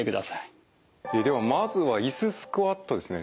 えではまずはいすスクワットですね。